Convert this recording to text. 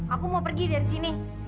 aku mau pergi dari sini